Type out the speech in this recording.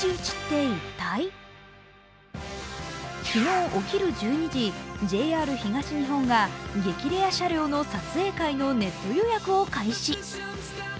昨日お昼１２時、ＪＲ東日本が激レア車両の撮影会のウエブ予約を開始。